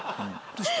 どうした？